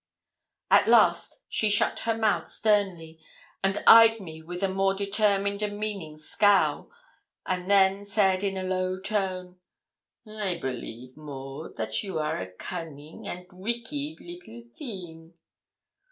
At last she shut her mouth sternly, and eyes me with a more determined and meaning scowl, and then said in a low tone 'I believe, Maud, that you are a cunning and wicked little thing.'